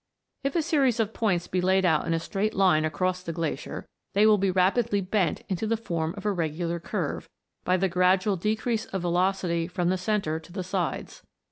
If a series of points be laid out in. a straight line across the glacier, they will be rapidly bent into the form of a regular curve, by the gra dual decrease of velocity from the centre to the sides.